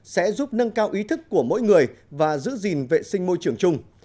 sẽ giúp nâng cao ý thức của mỗi người và giữ gìn vệ sinh môi trường chung